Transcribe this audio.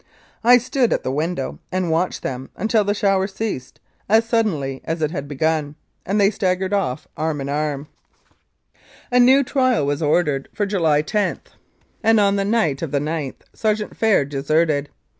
I stood at the window and watched them until the shower ceased, as suddenly as it had begun, and they staggered off arm in arm. A new trial was ordered for July 10, and on the 275 Mounted Police Life in Canada night of the gth Sergeant Phair deserted.